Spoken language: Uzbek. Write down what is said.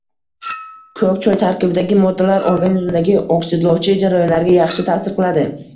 Ko‘k choy tarkibidagi moddalar organizmdagi oksidlovchi jarayonlarga yaxshi ta’sir qiladi.